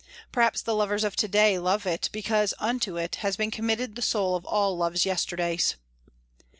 Perhaps the lovers of to day love it because unto it has been committed the soul of all love's yesterdays.